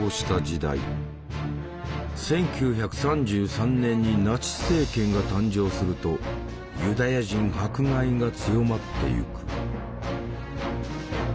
１９３３年にナチス政権が誕生するとユダヤ人迫害が強まってゆく。